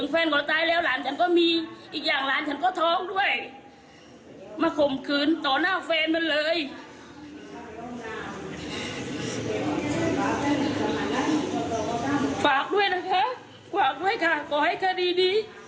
ฝากด้วยนะคะฝากด้วยค่ะขอให้คดีนี้